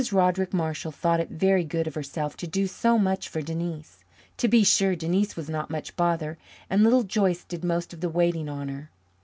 Roderick Marshall thought it very good of herself to do so much for Denise. To be sure, Denise was not much bother, and Little Joyce did most of the waiting on her.